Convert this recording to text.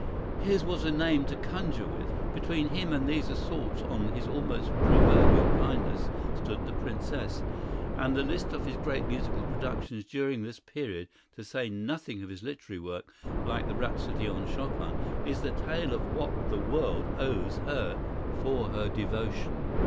His was a name to conjure with. Between him and these assaults on his almost proverbial kindness stood the Princess, and the list of his great musical productions during this period, to say nothing of his literary work, like the rhapsody on Chopin, is the tale of what the world owes her for her devotion.